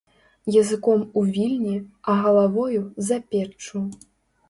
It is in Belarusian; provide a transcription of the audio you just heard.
Языком у Вільні, а галавою – за печчу